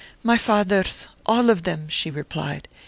"My father's, all of them;" she replied.